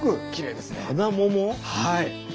はい。